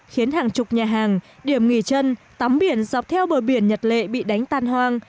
khiến hàng chục nhà hàng điểm nghỉ chân tắm biển dọc theo bờ biển nhật lệ bị đánh tan hoang